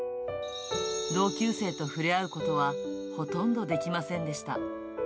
同級生と触れ合うことはほとんどできませんでした。